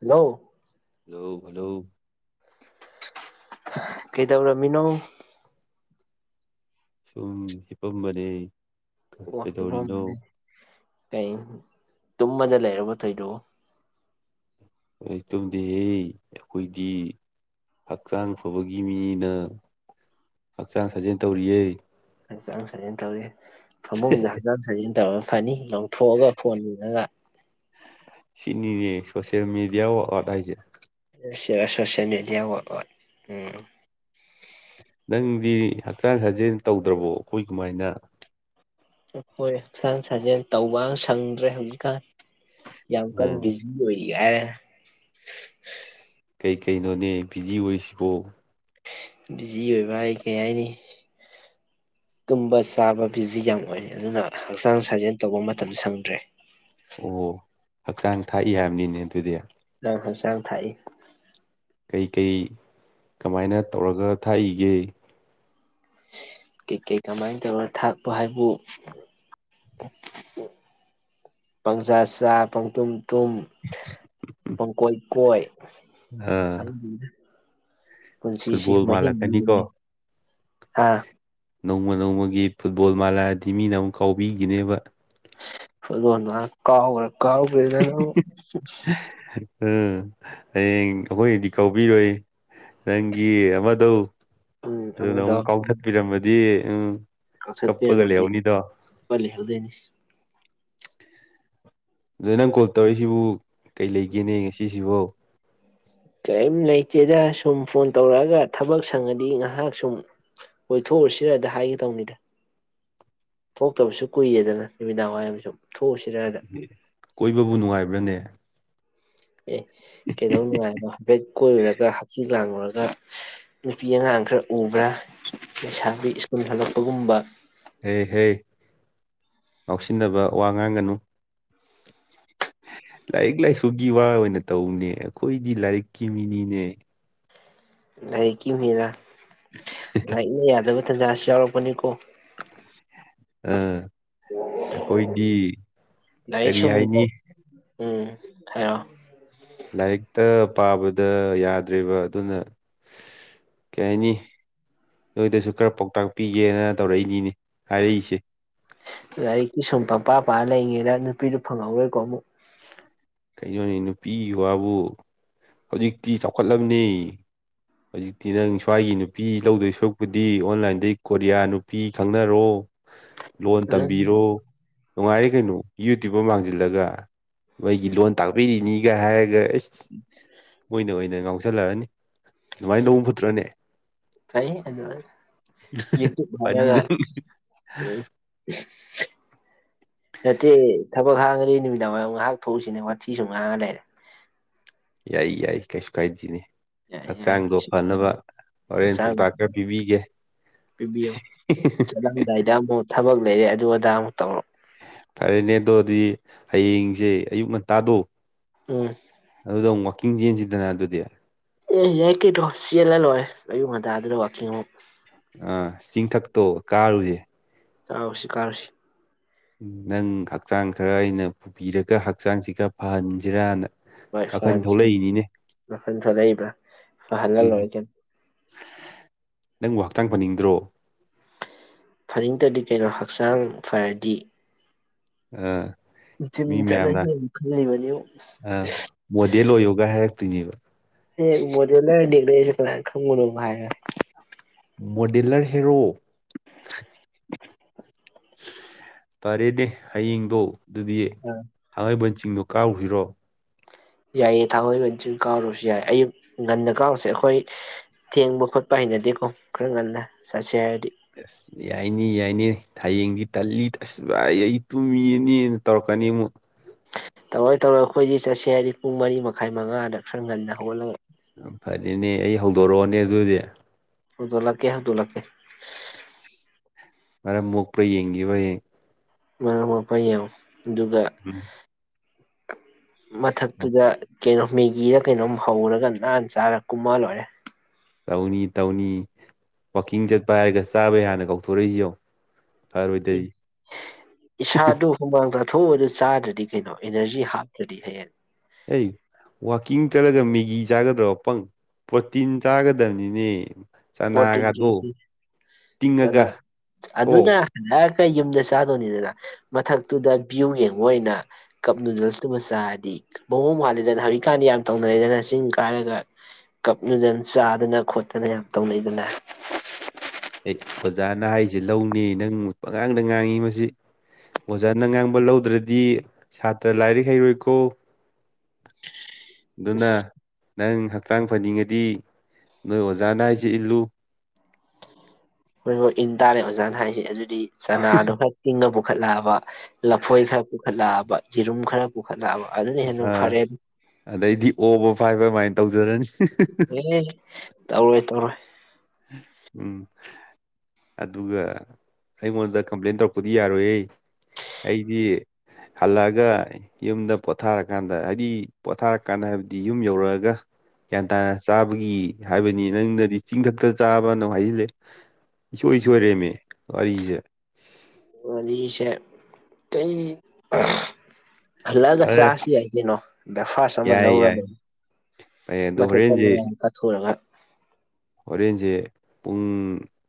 Hello hello hello ꯀꯩꯗꯧꯔꯝꯃꯤꯅꯣ ꯁꯨꯝ ꯍꯤꯄꯝꯕꯅꯤ ꯋꯥ ꯐꯝꯑꯝꯕꯅꯦ ꯇꯨꯝꯃꯗ ꯂꯩꯔꯕ ꯊꯧꯗꯨꯕꯨ ꯍꯣꯏ ꯇꯨꯝꯗꯦꯍꯦ ꯑꯩꯈꯣꯏꯗꯤ ꯍꯛꯆꯥꯡ ꯐꯕꯒꯤ ꯃꯤꯅ ꯍꯛꯆꯥꯡ ꯁꯥꯖꯦꯟ ꯇꯧꯔꯤꯑꯦ ꯍꯛꯆꯥꯡꯥ ꯁꯥꯖꯦꯟ ꯇꯧꯋꯤ ꯐꯃꯨꯡꯗ ꯍꯛꯆꯥꯡ ꯁꯥꯖꯤꯟ ꯇꯧꯔꯒ ꯐꯅꯤ ꯂꯧꯊꯣꯛꯑꯒ ꯐꯣꯟ ꯌꯦꯔꯒ ꯁꯤꯅꯤꯅꯦ ꯁꯣꯁꯤꯌꯦꯜ ꯃꯦꯗꯤꯌꯥ ꯋꯥꯛ ꯍꯥꯏꯁꯦ ꯁꯤꯔ ꯁꯣꯁꯦꯜ ꯃꯦꯗꯤꯌꯥ ꯋꯥꯛ ꯎꯝ ꯅꯪꯗꯤ ꯍꯛꯆꯥꯡ ꯁꯥꯖꯦꯜ ꯇꯧꯗ꯭ꯔꯕꯣ ꯑꯩꯈꯣꯏ ꯀꯃꯥꯏꯅ ꯍꯣꯏ ꯍꯛꯆꯥꯡ ꯁꯥꯖꯦꯜ ꯇꯧꯕ ꯁꯪꯗ꯭ꯔꯦ ꯍꯧꯖꯤꯛꯀꯥꯟ ꯌꯥꯝ ꯀꯥꯟ ꯎꯝ ꯕꯤꯖꯤ ꯑꯣꯏ ꯌꯥꯔꯦ ꯀꯩ ꯀꯩꯅꯣꯅꯦ ꯕꯤꯖꯤ ꯑꯣꯏꯁꯤꯕꯣ ꯕꯤꯖꯤ ꯑꯣꯏꯕ ꯑꯩ ꯀꯩ ꯍꯥꯏꯅꯤ ꯇꯨꯝꯕ ꯆꯥꯕ ꯕꯤꯖꯤ ꯌꯥꯝ ꯑꯣꯏ ꯑꯗꯨꯅ ꯍꯛꯆꯥꯡ ꯁꯥꯖꯦꯜ ꯇꯧꯕ ꯃꯇꯝ ꯁꯪꯗ꯭ꯔꯦ ꯑꯣ ꯍꯛꯆꯥꯡ ꯊꯥꯛꯏ ꯍꯥꯏꯕꯅꯤꯅꯦ ꯑꯗꯨꯗꯤ ꯅꯪ ꯍꯛꯆꯥꯡ ꯊꯥꯛꯏ ꯀꯩ ꯀꯩ ꯀꯃꯥꯏꯅ ꯇꯧꯔꯒ ꯊꯥꯛꯏꯒꯦ ꯀꯩ ꯀꯩ ꯀꯃꯥꯏꯅ ꯇꯧꯔ ꯊꯥꯛꯄ ꯍꯥꯏꯕꯨ ꯄꯪꯆꯥꯁ ꯄꯪꯇꯨꯝ ꯇꯨꯝ ꯄꯪꯀꯣꯏ ꯀꯣꯏ ꯑꯥ [unintelligible] ꯄꯨꯟꯁꯤꯁꯤ ꯐꯨꯠꯕꯣꯜ ꯃꯅꯤꯡ ꯃꯥꯜꯂꯛꯀꯅꯤꯀꯣ ꯍꯥ ꯅꯣꯡꯃ ꯅꯣꯡꯃꯒꯤ ꯐꯨꯠꯕꯣꯜ ꯃꯥꯂꯥꯗꯤ ꯃꯤꯅ ꯑꯃꯨꯛ ꯀꯥꯎꯕꯤꯈꯤꯅꯦꯕ ꯐꯨꯠꯕꯣꯜ ꯃꯥꯜꯂꯥ ꯀꯥꯔ ꯀꯥꯎꯔꯦꯗꯅ ꯎꯝ ꯍꯌꯦꯡ ꯑꯩꯈꯣꯏꯅꯗꯤ ꯀꯧꯎꯕꯤꯔꯣꯏ ꯅꯪꯒꯤ ꯑꯃꯗꯣ ꯎꯝ ꯑꯗꯨꯅ ꯑꯃꯨꯛ ꯀꯥꯎꯊꯠꯄꯤꯔꯝꯃꯗꯤ ꯎꯝ ꯀꯞꯄꯒ ꯑꯟꯏꯟꯇꯦꯜꯂꯤꯖꯦꯕꯜ ꯂꯩꯍꯧꯅꯤꯗꯣ ꯄ ꯂꯩꯍꯧꯗꯣꯏꯅꯤ ꯑꯗꯨ ꯅꯪ ꯀꯣꯜ ꯇꯧꯔꯛꯏꯁꯤꯕꯨ ꯀꯩ ꯂꯩꯒꯦꯅꯦ ꯉꯁꯤꯁꯤꯕꯣ ꯀꯩꯝ ꯂꯩꯇꯦꯗ ꯁꯨꯝ ꯐꯣꯟ ꯇꯧꯔꯛꯑꯒ ꯊꯕꯛ ꯁꯪꯉꯗꯤ ꯉꯥꯏꯍꯥꯛ ꯁꯨꯝ ꯀꯣꯏꯊꯣꯛꯎꯁꯤꯔꯗ ꯍꯥꯏꯒꯦ ꯇꯧꯅꯤꯗ ꯊꯣꯛꯇꯕꯁꯨ ꯀꯨꯏꯔꯦꯗꯅ ꯅꯨꯃꯤꯗꯥꯡ ꯋꯥꯏꯔꯝ ꯁꯨꯝ ꯊꯣꯛꯎꯁꯤꯔꯗ ꯀꯣꯏꯕꯕꯨ ꯅꯨꯡꯉꯥꯏꯕ꯭ꯔꯥꯅꯦ ꯑꯦ ꯀꯩꯗꯧ ꯅꯨꯡꯉꯥꯏꯔꯣꯏꯅꯣ ꯍꯥꯏꯐꯦꯠ ꯀꯣꯏꯔꯨꯔꯒ ꯍꯛꯆꯤ ꯂꯥꯡꯉꯨꯔꯒ ꯅꯨꯄꯤ ꯑꯉꯥꯡ ꯈꯔ ꯎꯕ꯭ꯔꯥ ꯂꯩꯁꯥꯕꯤ ꯁ꯭ꯀꯨꯜ ꯍꯜꯂꯛꯄꯒꯨꯝꯕ ꯍꯦ ꯍꯦ ꯉꯥꯎꯁꯤꯟꯅꯕ ꯋꯥ ꯉꯥꯡꯒꯅꯨ ꯂꯥꯏꯔꯤꯛ ꯂꯥꯏꯁꯨꯒꯤ ꯋꯥ ꯑꯣꯏꯅ ꯇꯧꯅꯦ ꯑꯩꯈꯣꯏꯗꯤ ꯂꯥꯏꯔꯤꯛꯀꯤ ꯃꯤꯅꯤꯅꯦ ꯂꯥꯏꯔꯤꯛꯀꯤ ꯃꯤꯔ ꯂꯥꯏꯔꯤꯛꯅ ꯌꯥꯗꯕ ꯇꯟꯖꯥꯁꯨ ꯌꯥꯎꯔꯛꯄꯅꯤꯀꯣ ꯑꯥ ꯑꯩꯈꯣꯏꯗꯤ ꯂꯥꯏꯔꯤꯛ ꯀꯔꯤ ꯁꯨꯝ ꯍꯥꯏꯅꯤ ꯎꯝ ꯍꯥꯏꯌꯣ ꯂꯥꯏꯔꯤꯛꯇ ꯄꯥꯕꯗ ꯌꯥꯗ꯭ꯔꯦꯕ ꯑꯗꯨꯅ ꯀꯩꯍꯥꯏꯅꯤ ꯅꯣꯏꯗꯁꯨ ꯈꯔ ꯄꯥꯎꯇꯥꯛ ꯄꯤꯒꯦꯅ ꯇꯧꯔꯛꯏꯅꯤꯅꯦ ꯍꯥꯏꯔꯛꯏꯁꯦ ꯂꯥꯏꯔꯤꯛꯇꯤ ꯁꯨꯝ ꯄꯥꯝ ꯄꯥꯪꯄꯥ ꯄꯥ ꯂꯩꯔꯤꯉꯩꯗ ꯅꯨꯄꯤꯗꯨ ꯐꯪꯍꯧꯔꯣꯏꯀꯣ ꯑꯃꯨꯛ ꯀꯩꯅꯣꯅꯦ ꯅꯨꯄꯤ ꯋꯥꯕꯨ ꯍꯧꯖꯤꯛꯇꯤ ꯆꯥꯎꯈꯠꯂꯕꯅꯦ ꯍꯧꯖꯤꯛꯇꯤ ꯅꯪ ꯁ꯭ꯋꯥꯏꯒꯤ ꯅꯨꯄꯤ ꯂꯧꯗꯣꯏ ꯁꯔꯨꯛꯄꯨꯗꯤ ꯑꯣꯟꯂꯥꯏꯟꯗꯩ ꯀꯣꯔꯤꯌꯥ ꯅꯨꯄꯤ ꯈꯪꯅꯔꯣ ꯂꯣꯟ ꯎꯝ ꯇꯝꯕꯤꯔꯣ ꯅꯨꯡꯉꯥꯏꯔꯦ ꯀꯩꯅꯣ ꯌꯨ ꯇꯨꯕ ꯑꯃ ꯍꯥꯡꯁꯤꯜꯂꯒ ꯃꯣꯏꯒꯤ ꯂꯣꯟ ꯇꯥꯛꯄꯤꯔꯤꯅꯤꯒ ꯍꯥꯏꯔꯒ ꯃꯣꯏꯅ ꯑꯣꯏꯅ ꯉꯥꯎꯁꯜꯂꯛꯑꯅꯤ ꯑꯗꯨꯃꯥꯏꯅ ꯂꯧꯕ ꯐꯠꯇ꯭ꯔꯣꯅꯦ ꯐꯩ ꯑꯗꯨꯅ ꯌꯨ ꯇꯨꯕ ꯐꯅꯤ ꯍꯥꯡꯉꯒ ꯅꯪ ꯅꯠꯇꯦ ꯊ ꯅꯪ ꯍꯥꯡꯉꯗꯤ ꯅꯨꯃꯤꯗꯥꯡ ꯋꯥꯏꯔꯝ ꯉꯥꯏꯍꯥꯛ ꯊꯣꯛꯎꯁꯤꯅꯦ ꯋꯥꯊꯤ ꯁꯨꯝ ꯉꯥꯡꯉ ꯂꯩꯔꯦ ꯌꯥꯏ ꯌꯥꯏ ꯀꯩꯁꯨ ꯀꯥꯏꯗꯦꯅꯦ ꯌꯥꯏ ꯌꯥꯏ ꯍꯛꯆꯥꯡꯗꯣ ꯐꯅꯕ ꯍꯣꯔꯦꯟ ꯄꯥꯎꯇꯥꯛ ꯈꯔ ꯄꯤꯕꯤꯒꯦ ꯄꯤꯕꯤꯌꯣ ꯆꯠꯂꯝꯗꯥꯏꯗ ꯑꯃꯨꯛ ꯊꯕꯛ ꯂꯩꯔꯦ ꯑꯗꯨ ꯑꯗꯥ ꯑꯃꯨꯛ ꯇꯧꯔꯛꯑꯣ ꯐꯔꯦꯅꯦ ꯑꯗꯣꯗꯤ ꯍꯌꯦꯡꯁꯦ ꯑꯌꯨꯛ ꯉ ꯇꯥꯗꯣ ꯎꯝ ꯑꯗꯨꯗ ꯑꯃꯨꯛ ꯋꯥꯛꯀꯤꯡ ꯆꯦꯟꯁꯤꯗꯅ ꯑꯗꯨꯗꯤ ꯑꯦ ꯌꯥꯏ ꯀꯩꯅꯣ ꯆꯦꯜꯂ ꯂꯣꯏꯔꯦ ꯑꯌꯨꯛ ꯉꯟꯇꯥꯗꯨꯗ ꯋꯥꯛꯀꯤꯡ ꯑꯃꯨꯛ ꯑ ꯆꯤꯡꯊꯛꯇꯣ ꯀꯥꯔꯨꯁꯦ ꯀꯥꯔꯨꯁꯤ-ꯀꯥꯔꯨꯁꯤ꯫ ꯅꯪ ꯍꯛꯆꯥꯡ ꯈꯔ ꯑꯩꯅ ꯄꯨꯕꯤꯔꯒ ꯍꯛꯆꯥꯡꯁꯤ ꯈꯔ ꯐꯍꯟꯁꯤꯔꯅ ꯍꯣꯏ ꯋꯥꯈꯜ ꯐꯍꯁꯤ ꯊꯣꯛꯂꯛꯏꯅꯤꯅꯦ ꯃꯈꯜ ꯊꯣꯛꯂꯛꯏꯕ ꯐꯍꯜꯅ ꯎꯝ ꯂꯣꯏꯔꯦ ꯀꯩꯅꫭ꯫ ꯅꯪꯕꯨ ꯍꯛꯆꯥꯡ ꯐꯥꯅꯤꯡꯗ꯭ꯔꯣ ꯐꯅꯤꯡꯇꯗꯤ ꯀꯩꯅꯣ ꯍꯛꯆꯥꯡ ꯐꯔꯗꯤ ꯑ ꯖꯤꯝ ꯃꯤ ꯃꯌꯥꯝꯅ ꯆꯠꯂꯁ ꯌꯥꯝ ꯈꯜꯂꯤꯕꯅꯤ ꯇꯤꯡꯏꯕ꯫ ꯍꯦꯛ [unintelligible] ꯃꯣꯗꯦꯂꯔ ꯍꯦꯔꯣ꯫ ꯐꯔꯦꯅꯦ ꯍꯌꯦꯡꯗꯣ ꯗꯨꯗꯤ ꯊꯥꯡꯃꯩꯕꯟ ꯆꯤꯡꯗꯨ ꯀꯥꯎꯁꯤꯔꯣ꯫ ꯌꯥꯏꯌꯦ ꯊꯥꯡꯃꯩꯕꯟ ꯆꯤꯡ ꯀꯥꯎꯔꯁꯨ ꯌꯥꯏ ꯑꯌꯨꯛ ꯉꯟꯅ ꯀꯥꯔꯨꯁꯦ ꯑꯈꯣꯏ ꯊꯦꯡꯕ ꯈꯣꯠꯄ ꯍꯩꯅꯗꯦꯀꯣ ꯈꯔ ꯉꯟꯅ ꯆꯠꯁꯦ ꯍꯥꯏꯔꯗꯤ꯫ ꯑꯁ ꯌꯥꯏꯅꯤ-ꯌꯥꯏꯅꯤ ꯍꯌꯦꯡꯗꯤ ꯇꯜꯂꯤ ꯑꯁ ꯚꯥꯏ ꯑꯩ ꯇꯨꯝꯃꯤꯅꯦꯅ ꯇꯧꯔꯛꯀꯅꯤ ꯑꯃꯨꯛ꯫ ꯇꯧꯔꯣꯏ-ꯇꯧꯔꫭꯏ ꯑꯩꯈꯣꯏꯗꯤ ꯆꯠꯁꯦ ꯍꯥꯏꯔꯗꯤ ꯄꯨꯡ ꯃꯔꯤ ꯃꯈꯥꯏ ꯃꯉꯥꯗ ꯈꯔ ꯉꯟꯅ ꯍꯧꯒꯠꯂꯒ꯫ ꯎ ꯐꯅꯤꯅꯦ ꯑꯩ ꯍꯧꯗꯣꯔꯛꯑꯣꯅꯦ ꯑꯗꯨꯗꯤ꯫ ꯑꯣꯗꯣꯂꯀꯦ ꯍꯥ ꯇꯣꯂꯥꯛꯀꯦ ꯃꯔꯝ ꯃꯣꯛꯄ꯭ꯔꯥ ꯌꯦꯡꯈꯤꯕꯌꯦꯡ ꯃꯥ ꯃꯄ ꯌꯥ ꯑꯗꯨꯒ ꯎꯝ ꯃꯊꯛꯇꯨꯗ ꯀꯩꯅꯣ ꯃꯦꯒꯤꯗ ꯀꯩꯅꯣꯝ ꯍꯧꯔꯒ ꯅꯥꯟꯅ ꯆꯥꯔꯒ ꯀꯨꯝꯑꯛꯑ ꯂꯣꯏꯔꯦ꯫ ꯇꯧꯅꯤ-ꯇꯧꯅꯤ ꯋꯥꯛꯀꯤꯡ ꯆꯠꯄ ꯍꯥꯏꯔꯒ ꯆꯥꯕꯒꯤ ꯍꯥꯟꯅ ꯀꯧꯊꯣꯔꯛꯏꯁꯤꯌꯧ꯫ ꯎ ꯏꯁꯥ ꯑꯗꯨ ꯍꯨꯃꯥꯡꯗ꯭ꯔ ꯊꯨ ꯑꯗꯨ ꯆꯥꯗ꯭ꯔꯗꯤ ꯀꯩꯅꯣ ꯏꯅꯔꯖꯤ ꯍꯥꯞꯇ꯭ꯔꯗꯤ ꯍꯌꯦꯡ ꯑꯩ ꯋꯥꯛꯀꯤꯡ ꯆꯠꯂꯒ ꯃꯦꯒꯤ ꯆꯥꯒꯗ꯭ꯔꯣ ꯄꯪ ꯄ꯭ꯔꯣꯇꯤꯟ ꯆꯥꯒꯗꯕꯅꯤꯅꯦ꯫ ꯆꯅꯥꯒꯗꯣ ꯄꯣꯇꯤꯟꯦꯁꯤ ꯇꯤꯡꯉꯒ ꯀꯣ ꯑꯗꯨꯅ ꯍꯥꯏ ꯀ ꯌꯨꯝꯗ ꯆꯥꯗꯣꯏꯅꯤꯗꯅ ꯃꯊꯛꯇꯨꯗ ꯚ꯭ꯌꯨ ꯌꯦꯡꯕ ꯑꯣꯏꯅ ꯀꯞ ꯅꯨꯗꯜꯁꯇꯨꯃ ꯆꯥꯔꯗꯤ ꯃꯑꯣꯡ ꯍꯥꯂꯦꯗꯅ ꯍꯧꯖꯤꯛꯀꯥꯟꯗꯤ ꯌꯥꯝ ꯇꯧꯅꯔꯦꯗꯅ ꯆꯤꯡ ꯀꯥꯏꯔꯒ ꯀꯞ ꯅꯨꯗꯜ ꯆꯥꯗꯅ ꯈꯣꯠꯇꯅ ꯌꯥꯝ ꯇꯧꯅꯩꯗꯅ꯫ ꯑꯩ ꯑꯣꯖꯥꯅ ꯍꯥꯏꯁꯦ ꯂꯧꯅꯤ ꯅꯪ ꯑꯉꯥꯡꯗ ꯉꯥꯡꯉꯤ ꯃꯁꯤ ꯑꯣꯖꯥꯅ ꯉꯥꯡꯕ ꯂꯧꯗ꯭ꯔꯗꯤ ꯁꯥꯇ꯭ꯔ ꯂꯥꯏꯔꯤꯛ ꯍꯩꯔꯣꯏꯀꯣ ꯅ ꯑꯁ ꯅꯪ ꯍꯛꯆꯥꯡ ꯐꯅꯤꯡꯑꯗꯤ ꯅꯣꯏ ꯑꯣꯖꯥꯅ ꯍꯥꯏꯁꯤ ꯏꯜꯂꯨ꯫ ꯍꯣꯏ ꯍꯣꯏ ꯏꯟ ꯇꯥꯔꯦ ꯑꯣꯖꯥꯅ ꯍꯥꯏꯁꯦ ꯑꯗꯨꯗꯤ꯫ ꯆꯅꯥꯗꯨ ꯈꯔ ꯇꯤꯡꯑ ꯄꯨ ꯈꯠꯂꯛꯑꯕ ꯂꯐꯣꯏ ꯈ ꯄꯨꯈꯠꯂꯥ ꯕꯥ ꯌꯦꯔꯨꯝ ꯈꯔ ꯄꯨꯈꯠꯂꯛꯑꯕ ꯑꯗꯨꯅ ꯍꯦꯟꯅ ꯑꯥ ꯐꯔꯦ ꯑꯗꯩꯗꯤ ꯑꯣꯕ ꯐꯥꯏꯕ ꯑꯗꯨꯃꯥꯏꯅ ꯇꯧꯖꯔꯅꯤ ꯇꯧꯔꯣꯏ ꯇꯔꯣꯏ ꯎꯝ ꯑꯗꯨꯒ ꯑꯩꯉꯣꯟꯗ ꯀꯝꯄ꯭ꯂꯦꯟ ꯇꯧꯔꯛꯄꯗꯤ ꯌꯥꯔꯣꯏꯌꯦ ꯑꯩꯗꯤ ꯍꯜꯂꯛꯑꯒ ꯌꯨꯝꯗ ꯄꯣꯊꯥꯔꯀꯥꯟꯗ ꯍꯥꯏꯗꯤ ꯄꯣꯊꯥꯔꯀꯥꯟꯗ ꯍꯥꯏꯕꯗꯤ ꯌꯨꯝ ꯌꯧꯔꯛꯑꯒ ꯒ꯭ꯌꯥꯟ ꯇꯥꯅ ꯆꯥꯕꯒꯤ ꯍꯥꯏꯕꯅꯤ ꯅꯪꯅꯗꯤ ꯆꯤꯡꯊꯛꯇ ꯆꯥꯕꯅꯨꯡ ꯍꯥꯏꯁꯤꯜꯂꯦ ꯏꯁꯣꯏ ꯁꯣꯏꯔꯦꯝꯃꯦ ꯋꯥꯔꯤꯁꯦ ꯋꯥꯔꯤꯁꯦ ꯀꯩ ꯍꯜꯂꯛꯑꯒ ꯐꯔꯦ ꯆꯥꯔꯁꯨ ꯌꯥꯏ ꯀꯩꯅꯣ ꯕ꯭ꯔꯦꯛꯐꯥꯁ ꯑꯃ ꯌꯥꯏ ꯌꯥꯏ ꯂꯧꯔꯗ ꯐꯩ ꯑꯗꯣ ꯃꯊꯛꯇ ꯅꯨꯡꯉꯥꯏꯅ ꯀꯥꯊꯣꯛꯎꯔꯒ ꯍꯣꯔꯦꯟꯖꯦ ꯄꯨꯡ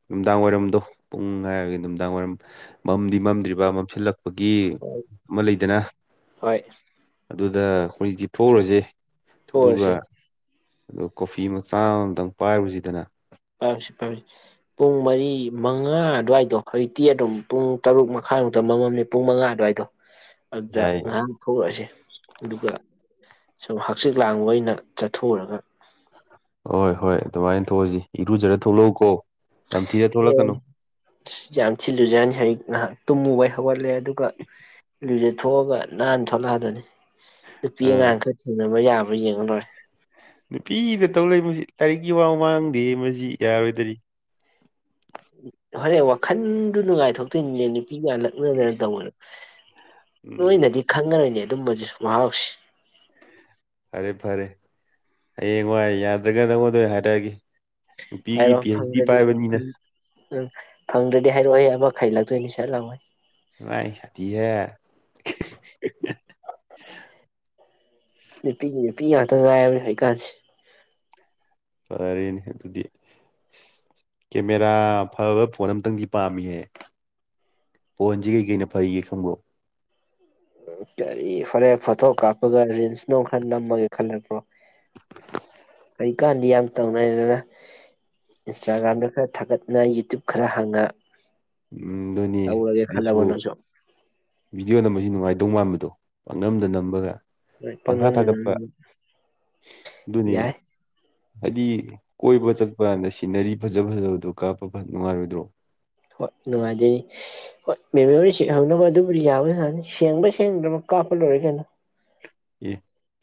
ꯅꯨꯡꯗꯥꯡ ꯋꯥꯏꯔꯝꯗꯣ ꯄꯨꯡ ꯍꯥꯏꯔꯒꯗꯤ ꯅꯨꯡꯗꯥꯡ ꯋꯥꯏꯔꯝ ꯃꯝꯗꯤ ꯃꯝꯗ꯭ꯔꯤꯕ ꯃꯝꯁꯤꯜꯂꯛ ꯄꯒꯤ ꯑꯃ ꯂꯩꯗꯅ ꯍꯣꯏ ꯑꯗꯨ ꯍꯧꯖꯤꯛ ꯊꯣꯛꯎꯔꯁꯦ ꯑꯗꯨꯒ ꯊꯣꯛꯎꯔꯁꯤ ꯑꯗꯨꯒ ꯀꯣꯐꯤ ꯃꯆꯥ ꯑꯝꯇꯪ ꯄꯥꯏꯔꯨꯁꯤ ꯗꯅ ꯄꯥꯏꯁꯤ ꯄꯥꯏꯁꯤ ꯄꯨꯡ ꯃꯔꯤ ꯃꯉꯥ ꯑꯗꯨꯋꯥꯏꯗꯣ ꯍꯧꯖꯤꯛꯇꯤ ꯑꯗꯨꯝ ꯄꯨꯡ ꯇꯔꯨꯛ ꯃꯈꯥꯏꯃꯨꯛꯇ ꯃꯃꯝꯃꯦ ꯄꯨꯡ ꯃꯉꯥ ꯑꯗꯨꯋꯥꯏꯗꯣ ꯑꯗꯨꯗ ꯌꯥꯏ ꯉꯍꯥꯛ ꯊꯣꯛꯎꯔꯁꯦ ꯑꯗꯨꯒ ꯁꯨꯝ ꯍꯛꯆꯤꯛ ꯂꯥꯡꯕ ꯑꯣꯏꯅ ꯊꯣꯛꯎꯔꯒ ꯍꯣꯏ ꯍꯣꯏ ꯑꯗꯨꯃꯥꯏꯅ ꯊꯣꯛꯑꯁꯤ ꯏꯔꯨꯖꯔ ꯊꯣꯛꯂꯛꯎꯀꯣ ꯅꯝꯊꯤꯔ ꯊꯣꯛꯂꯛꯀꯅꯨ ꯌꯥꯝ ꯊꯤ ꯂꯨꯖꯅꯤ ꯍꯧꯖꯤꯛ ꯉꯥꯏꯍꯥꯛ ꯇꯨꯝꯃꯨꯕꯩ ꯍꯧꯒꯠꯂꯦ ꯑꯗꯨꯒ ꯂꯨꯖꯥ ꯊꯣꯛꯑꯒ ꯅꯥꯟꯅ ꯊꯣꯛꯂꯛꯑꯗꯧꯅꯤ ꯅꯨꯄꯤ ꯑꯥ ꯑꯉꯥꯡ ꯈꯔ ꯊꯦꯡꯅꯕ ꯌꯥꯕ ꯍꯣꯔꯦꯟ ꯌꯦꯡꯑꯂꯣꯏꯔꯦ ꯅꯨꯄꯤꯗ ꯇꯧ ꯂꯩ ꯃꯁꯤ ꯂꯥꯏꯔꯤꯛ ꯋꯥ ꯃꯥꯡꯗꯦ ꯃ ꯁꯤ ꯌꯥꯔꯣꯏꯗꯔꯤ ꯍꯣꯔꯦꯟ ꯋꯥꯈꯟꯗꯨ ꯅꯨꯡꯉꯥꯏꯊꯣꯛꯇꯣꯏꯅꯤꯅꯦ ꯅꯨꯄꯤ ꯃꯌꯥꯝ ꯂꯛꯅꯕ ꯃꯌꯥꯝ ꯇꯧꯕꯗ ꯎꯝ ꯅꯣꯏꯅꯗꯤ ꯈꯪꯉꯔꯣꯏꯅꯦ ꯑꯗꯨꯝꯕꯖꯦ ꯃꯍꯥꯎꯁꯤ ꯐꯔꯦ ꯐꯔꯦ ꯍꯌꯦꯡꯋꯥꯏ ꯌꯥꯗ꯭ꯔꯒ ꯅꯪꯉꯣꯟꯑꯣꯏꯅ ꯍꯥꯏꯔꯛꯑꯒꯦ ꯅꯨꯄꯤꯒꯤ ꯍꯥꯏꯔꯛꯑꯣ ꯄꯤ ꯍꯩꯆ ꯗꯤ ꯐꯪꯗ꯭ꯔꯗꯤ ꯄꯥꯏꯕꯅꯤꯅ ꯎꯝ ꯐꯪꯗ꯭ꯔꯗꯤ ꯍꯥꯏꯔꯛꯑꯣ ꯑꯩ ꯑꯃ ꯈꯥꯏꯖꯤꯜꯂꯛꯇꯣꯏꯅꯤ ꯁꯠ ꯂꯥꯎꯃꯩ ꯃꯥꯗꯤ ꯁꯥꯊꯤ ꯍꯦ ꯅꯨꯄꯤ ꯅꯨꯄꯤ ꯉꯥꯏꯔꯃꯦ ꯍꯧꯖꯤꯛ ꯀꯥꯥꯟꯁꯦ ꯐꯔꯦꯅꯦ ꯑꯗꯨꯗꯤ ꯀꯦꯃꯦꯔꯥ ꯐꯕ ꯐꯣꯟ ꯑꯝꯇꯪꯗꯤ ꯄꯥꯝꯃꯤꯍꯦ ꯐꯣꯟꯁꯤ ꯀꯩ ꯀꯩꯅ ꯐꯩꯒꯦ ꯈꯪꯕ꯭ꯔꯣ ꯀꯔꯤ ꯐꯔꯦ ꯐꯊꯣ ꯀꯥꯄꯒ ꯔꯤꯟꯁ ꯅꯨꯡ ꯈꯔ ꯅꯝꯃꯥꯒ ꯈꯜꯂꯛꯄ꯭ꯔꯣ ꯀꯔꯤ ꯀꯥꯟꯗꯤ ꯌꯥꯝ ꯇꯧꯅꯩꯗꯅ ꯏꯟꯁꯇꯥꯒ꯭ꯔꯝ ꯈꯔ ꯊꯒꯠ ꯌꯨ ꯇ꯭ꯌꯨꯞ ꯈꯔ ꯍꯥꯡꯅ ꯎꯝ ꯑꯗꯨꯅꯤ ꯇꯧꯔꯒꯦ ꯑꯩꯁꯨ ꯈꯜꯂꯕ ꯅꯪꯁꯨ ꯚꯤꯗꯤꯑꯣ ꯅꯝꯕꯁꯦ ꯅꯨꯡꯉꯥꯏ ꯃꯥꯟꯕꯗꯣ ꯃꯥꯟꯕꯗꯣ ꯄꯥꯛꯅꯝꯗ ꯅꯝꯕꯒ ꯄꯥꯡꯊꯥ ꯄꯪꯅꯝꯗ ꯊꯥꯒꯠꯄ ꯅꯝꯕ ꯑꯗꯨꯅꯤ ꯌꯥꯏ ꯍꯥꯏꯗꯤ ꯀꯣꯏꯕ ꯆꯠꯄ ꯀꯥꯟꯗ ꯁꯤꯟꯅꯔꯤ ꯐꯖ ꯐꯖꯕꯗꯨ ꯀꯥꯞꯄ ꯅꯨꯡꯉꯥꯏꯔꯣꯏꯗ꯭ꯔꯣ ꯍꯣꯏ ꯅꯨꯡꯉꯥꯏꯗꯣꯏꯅꯤ ꯍꯣꯏ ꯃꯦꯃꯣꯔꯤ ꯁꯤꯠꯍꯅꯕ ꯑꯗꯨꯕꯨꯗꯤ ꯌꯥꯕ ꯌꯥꯅꯤ ꯁꯦꯡꯕ꯭ꯔ ꯁꯦꯡꯗ꯭ꯔꯕ ꯀꯥꯞꯄ ꯂꯣꯏꯔꯦ ꯀꯩꯅꯣ ꯑꯦ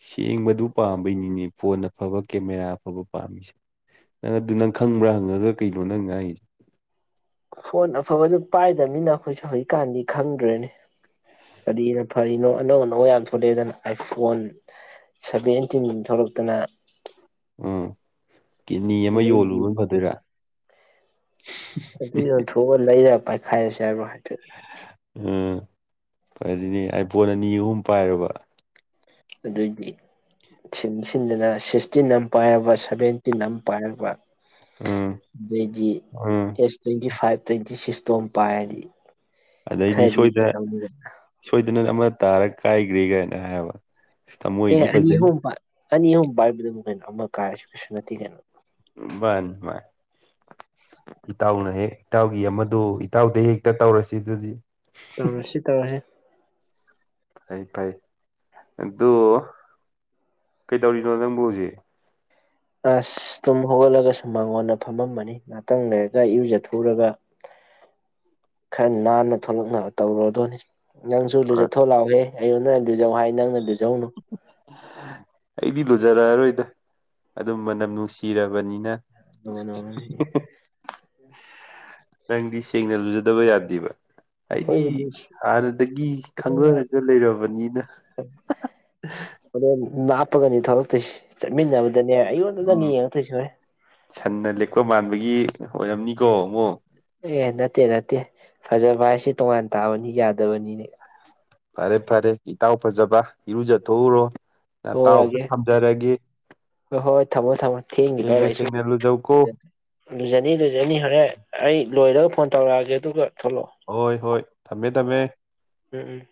ꯁꯦꯡꯕꯗꯨ ꯄꯥꯝꯕꯩꯅꯤꯅꯦ ꯐꯣꯟ ꯑꯐꯕ ꯀꯦꯃꯦꯔꯥ ꯑꯐꯕ ꯄꯥꯝꯃꯤꯁꯦ ꯅꯪ ꯑꯗꯨ ꯅꯪ ꯈꯪꯕ꯭ꯔꯥ ꯍꯪꯉꯒ ꯀꯩꯅꯣ ꯅꯪ ꯉꯥꯏꯔꯤꯁꯦ ꯐꯣꯟ ꯑꯐꯕꯗꯨ ꯄꯥꯏꯗꯕꯅꯤꯅ ꯑꯩꯈꯣꯏꯁꯨꯦ ꯍꯧꯖꯤꯛꯀꯥꯟꯗꯤ ꯈꯪꯗ꯭ꯔꯦꯅꯤ ꯀꯔꯤꯅꯣ ꯐꯔꯤꯅꯣ ꯑꯅꯧ ꯑꯅꯧ ꯌꯥꯝ ꯊꯣꯛꯂꯛꯑꯦꯗꯅ ꯑꯥꯏꯐꯣꯟ ꯁꯚꯦꯟꯇꯤꯟ ꯊꯣꯛꯂꯛꯇꯅ ꯎꯝ ꯀꯤꯅꯤ ꯑꯃ ꯑꯗꯩꯗꯤ ꯌꯣꯜꯂꯨꯕꯅ ꯐꯗꯣꯏꯔꯥ ꯑꯗꯨ ꯌꯣꯟ ꯊꯥꯛꯂꯑ ꯂꯩꯔ ꯍꯥꯏꯔꯥꯔꯦ ꯍꯥꯏꯕꯔꯣ ꯎꯝ ꯐꯗꯧꯏꯅꯦ ꯑꯥꯏ ꯄꯣꯟ ꯑꯅꯤ ꯑꯍꯨꯝ ꯄꯥꯏꯔꯥꯕ ꯑꯗꯨꯏꯗꯤ ꯁꯤꯟ ꯁꯤꯟꯗꯅ ꯁꯤꯛꯁꯇꯤꯟ ꯑꯃ ꯄꯥꯏꯔꯕ ꯁꯚꯦꯟꯇꯤꯟ ꯑꯃ ꯄꯥꯏꯔꯕ ꯎꯝ ꯎꯝ ꯑꯦꯁ ꯇ꯭ꯋꯦꯟꯇꯤ ꯐꯥꯏꯕ ꯇ꯭ꯋꯦꯟꯇꯤ ꯁꯤꯛꯁꯇꯣ ꯑꯝ ꯄꯥꯏꯔꯗꯤ ꯑꯗꯩꯗꯤ ꯈꯔꯗꯤ ꯁꯣꯏꯗꯅ ꯇꯧꯅꯤꯗꯅ ꯁꯣꯏꯗꯅ ꯑꯃ ꯇꯔꯛ ꯀꯥꯏꯒ꯭ꯔꯤꯒꯦ ꯍꯥꯏꯕ ꯑꯦ ꯊꯃꯣꯏꯗꯤ ꯑꯅꯤ ꯐꯖꯔꯤ ꯑꯍꯨꯝ ꯑꯅꯤ ꯑꯌꯨꯛ ꯄꯥꯏꯕꯗꯕꯨ ꯀꯩꯅꯣ ꯑꯃ ꯀꯥꯏꯔꯁꯨ ꯀꯩꯁꯨ ꯅꯠꯇꯦ ꯀꯩꯅꯦ ꯃꯥꯅꯤ ꯃꯥꯥꯅꯤ ꯏꯇꯥꯎꯅ ꯍꯦꯛ ꯏꯇꯥꯎꯒꯤ ꯑꯃꯗ ꯏꯇꯥꯎꯗ ꯍꯦꯛꯇ ꯇꯧꯔꯁꯤ ꯑꯗꯨꯗꯤ ꯇꯧꯔꯁꯤ ꯇꯧꯍꯦ ꯐꯩ ꯐꯩ ꯑꯗꯨ ꯀꯩꯗꯧꯔꯤꯅꯣ ꯅꯪꯕꯨ ꯍꯧꯖꯤꯛ ꯑꯁ ꯇꯨꯝ ꯍꯧꯣꯒꯠꯂꯒꯁꯨ ꯃꯉꯣꯟꯗ ꯐꯝꯃꯝꯃꯅꯤ ꯉꯍꯥꯛꯇꯪ ꯂꯩꯔꯒ ꯏꯨꯖ ꯊꯨꯔꯒ ꯈꯔ ꯅꯥꯟꯅ ꯊꯣꯛꯂꯛꯅꯕ ꯇꯧꯔꯨꯗꯣꯏꯅꯤ ꯅꯪꯁꯨ ꯂꯨꯖꯥꯊꯣꯛꯑ ꯂꯥꯎꯑꯣꯍꯦ ꯑꯩꯉꯣꯟꯗ ꯂꯨꯖꯧ ꯍꯥꯏ ꯅꯪꯅ ꯂꯨꯖꯧꯅꯨ [unintelligible] ꯑꯩꯗꯤ ꯂꯨꯖꯔꯛꯑꯔꯣꯏꯗ ꯑꯗꯨꯝ ꯃꯅꯝ ꯅꯨꯡꯁꯤꯔꯕꯅꯤꯅ [inaudible] ꯅꯪꯗꯤ ꯁꯦꯡꯅ ꯂꯨꯖꯗꯕ ꯌꯥꯗꯦꯕ ꯑꯩꯗꯤ ꯍꯥꯟꯅꯗꯒꯤ ꯍꯣꯔꯦꯟ ꯈꯪꯒꯔꯒ ꯂꯩꯔꯕꯅꯤꯅ ꯐꯗꯅꯦ ꯃꯥꯅꯥꯄꯒꯅꯤ ꯊꯂꯛꯛꯇꯁꯤ ꯆꯠꯃꯤꯟꯅꯕꯗꯅꯦ ꯑꯩꯉꯣꯟꯗꯗꯅꯤ ꯎꯝ ꯌꯦꯡꯉ ꯊꯣꯏ ꯁ ꯍꯦ ꯑꯣꯏꯣꯏꯔꯝꯅꯤꯀꯣ ꯑꯃꯨꯛ ꯑꯦ ꯅꯠꯇꯦ ꯅꯠꯇꯦ ꯐꯖꯕ ꯍꯥꯏꯁꯦ ꯇꯣꯉꯥꯟ ꯇꯥꯕꯅꯤ ꯌꯥꯗꯕꯅꯤꯅꯦ ꯐꯔꯦ ꯐꯔꯦ ꯏꯇꯥꯎ ꯐꯖꯕ ꯏꯔꯨꯖꯊꯣꯛꯎꯔꯣ ꯅꯇꯥꯎꯁꯨ ꯊꯒꯦ ꯊꯝꯖꯔꯒꯦ ꯍꯣꯏ ꯍꯣꯏ ꯊꯝꯃꯣ ꯊꯝꯃꯣ ꯊꯦꯡꯈꯤꯕꯗꯔ ꯁꯦꯡꯅ ꯑꯩꯁꯨ ꯁꯦꯡꯅ ꯂꯨꯖꯧꯀꯣ ꯂꯨꯖꯅꯤ ꯂꯨꯖꯅꯤ ꯍꯣꯔꯦꯟ ꯑꯩ ꯂꯣꯏꯔꯒ ꯐꯣꯟ ꯇꯧꯔꯛꯑꯒꯦ ꯑꯗꯨꯒ ꯊꯣꯛꯂꯛꯑꯣ ꯍꯣꯏ ꯍꯣꯏ ꯊꯝꯃꯦ ꯊꯝꯃꯦ ꯎꯝ ꯎꯝ